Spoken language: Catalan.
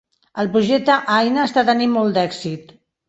El projecte Aina està tenint molt d'èxit.